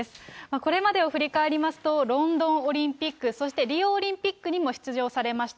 これまでを振り返りますと、ロンドンオリンピック、そしてリオオリンピックにも出場されました。